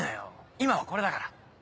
今はこれだから。